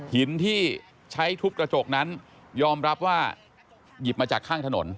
หินที่ใช้ทุบกระจกนั้นยอมรับว่าหยิบมาจากข้างถนน